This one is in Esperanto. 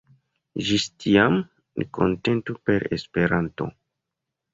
Ĝis tiam, ni kontentu per Esperanto!